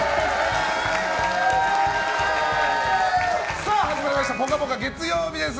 さあ、始まりました「ぽかぽか」月曜日です。